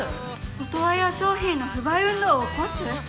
「オトワヤ商品の不買運動を起こす」！？